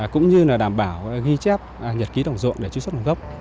cũng như đảm bảo ghi chép nhật ký đồng dụng để truy xuất nông gốc